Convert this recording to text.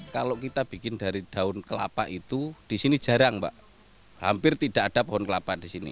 kalau kita membuat dari kelapa disini jarang mbak hampir tidak adaola kelapa